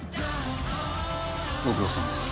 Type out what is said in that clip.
ご苦労さまです。